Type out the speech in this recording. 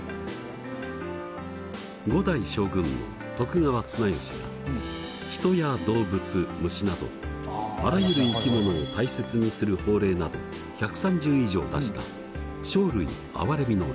五代将軍の徳川綱吉が人や動物虫などあらゆる生き物を大切にする法令など１３０以上出した生類憐みの令。